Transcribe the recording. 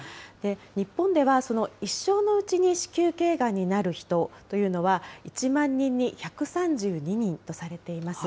日本では一生のうちに子宮けいがんになる人というのは、１万人に１３２人とされています。